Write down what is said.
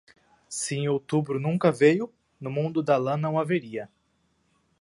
Se em outubro nunca veio, no mundo da lã não haveria.